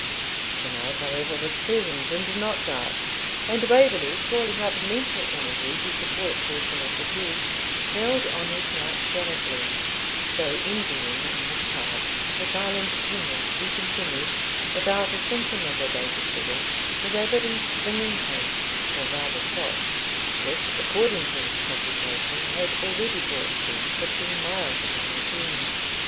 The night, however, was pleasant, and not dark; and Waverley, calling up mental energy to support personal fatigue, held on his march gallantly, though envying in his heart his Highland attendants, who continued, without a symptom of abated vigour, the rapid and swinging pace, or rather trot, which, according to his computation, had already brought them fifteen miles upon their journey.